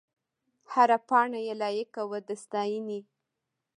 هره پاڼه یې لایق وه د ستاینې.